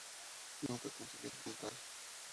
Nunca consiguió puntuar.